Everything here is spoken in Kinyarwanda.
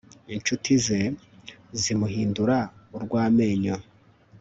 incuti ze zimuhindura urw'amenyo